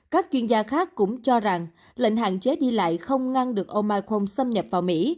các chuyên gia khác cũng cho rằng lệnh hạn chế đi lại không ngăn được ông michom xâm nhập vào mỹ